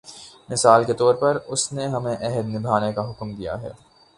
مثال کے طور پر اس نے ہمیں عہد نبھانے کا حکم دیا ہے۔